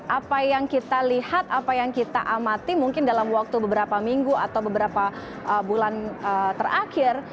apa yang kita lihat apa yang kita amati mungkin dalam waktu beberapa minggu atau beberapa bulan terakhir